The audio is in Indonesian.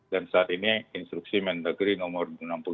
dan saat ini instruksi mendagri nomor enam puluh dua